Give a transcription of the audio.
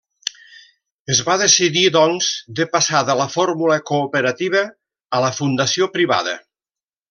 Es va decidir, doncs, de passar de la fórmula cooperativa a la fundació privada.